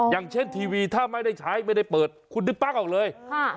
อย่างเช่นทีวีถ้าไม่ได้ใช้ไม่ได้เปิดคุณดึงปั๊กออกเลย